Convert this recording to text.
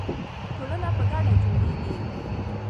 ټولنه په ګډه جوړیږي.